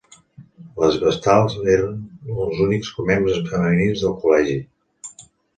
Les vestals eren els únics membres femenins del col·legi.